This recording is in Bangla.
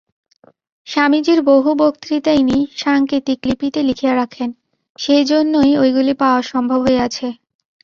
স্বামীজীর বহু বক্তৃতা ইনি সাঙ্কেতিকলিপিতে লিখিয়া রাখেন, সেইজন্যই ঐগুলি পাওয়া সম্ভব হইয়াছে।